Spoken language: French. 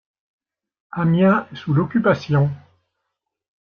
Amiens, sous l'Occupation.